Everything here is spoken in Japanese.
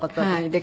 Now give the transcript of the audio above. はい。